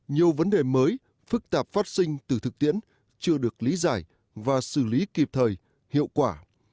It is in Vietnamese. nhiều vấn đề mới phức tạp phát sinh từ thực tiễn chưa được lý giải và xử lý kịp thời hiệu quả